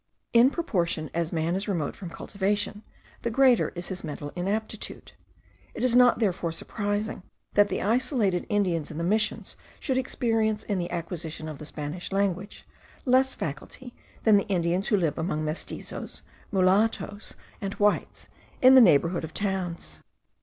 In proportion as man is remote from cultivation, the greater is his mental inaptitude. It is not, therefore, surprising that the isolated Indians in the Missions should experience in the acquisition of the Spanish language, less facility than Indians who live among mestizoes, mulattoes, and whites, in the neighbourhood of towns.